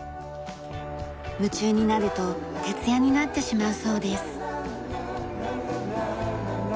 夢中になると徹夜になってしまうそうです。